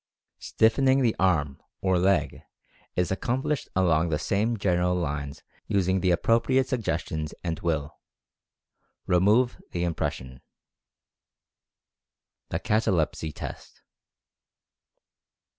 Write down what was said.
Stiffening the arm, or leg, is accomplished along the same general lines using the appropriate sugges tions and Will. Remove the impression. THE "CATALEPSY" TEST.